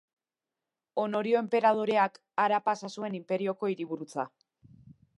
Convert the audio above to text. Honorio enperadoreak, hara pasa zuen inperioko hiriburutza.